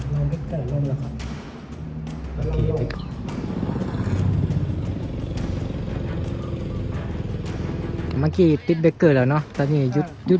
เมื่อกี้ติ๊ตแบคเกอร์แล้วเนอะล่ะเนี่ยยุดเปลี่ยงเพียบ